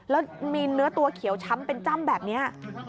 แล้วมีเนื้อตัวเขียวช้ำเป็นจ้ำแบบนี้